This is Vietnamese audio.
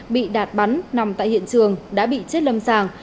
bị đạt bắn nằm tại hiện trường đã bị chết lâm sàng